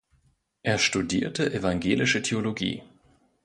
Er studierte evangelische Theologie.